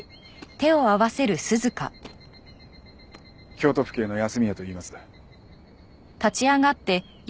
京都府警の安洛といいます。